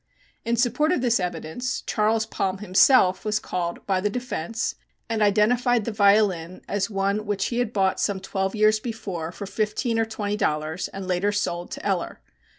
In support of this evidence Charles Palm himself was called by the defense and identified the violin as one which he had bought some twelve years before for fifteen or twenty dollars and later sold to Eller.